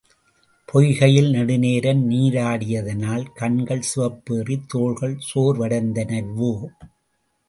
பொய்கையில் நெடுநேரம் நீராடியதினால் கண்கள் சிவப்பேறித் தோள்கள் சோர்வடைந்தனவோ?